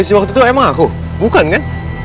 ichab jangkut masa apa